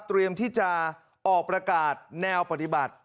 ที่จะออกประกาศแนวปฏิบัติ